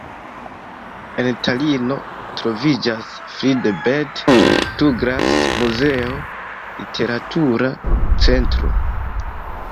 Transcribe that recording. En Talino troviĝas Friedebert-Tuglas-muzeo, literatura centro.